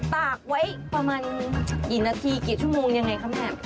ตากไว้ประมาณกี่นาทีกี่ชั่วโมงยังไงคะแม่